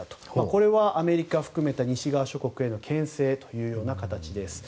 これはアメリカ含めた西側諸国への牽制という形です。